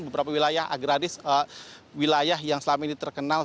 beberapa wilayah agraris wilayah yang selama ini terkenal